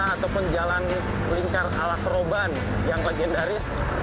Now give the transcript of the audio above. ataupun jalan lingkar ala keroban yang legendaris